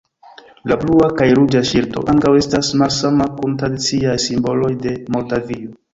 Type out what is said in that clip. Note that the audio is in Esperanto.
La blua kaj ruĝa ŝildo ankaŭ estas malsama kun tradiciaj simboloj de Moldavio.